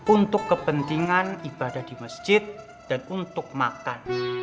untuk kepentingan ibadah di masjid dan untuk makan